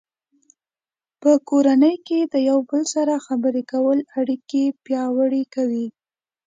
په کورنۍ کې د یو بل سره خبرې کول اړیکې پیاوړې کوي.